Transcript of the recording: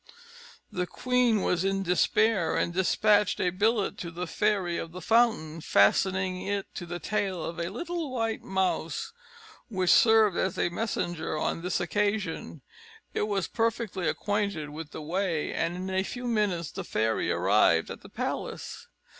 The queen was in despair, and dispatched a billet to the Fairy of the Fountain, fastening it to the tail of a little white mouse, which served as a messenger on this occasion; it was perfectly acquainted with the way, and in a few minutes the fairy arrived at the palace.